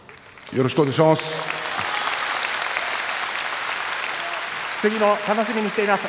よろしくお願いします。